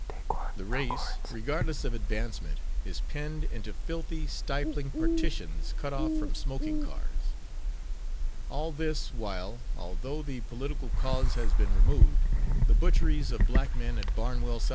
The race regardless of advancement is penned into filthy, stifling partitions cut off from smoking cars. All this while, although the political cause has been removed, the butcheries of black men at Barnwell, S.C.